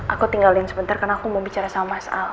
aku tinggalin sebentar karena aku mau bicara sama mas al